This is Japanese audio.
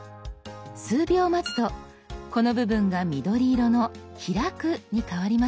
数秒待つとこの部分が緑色の「開く」に変わりますよ。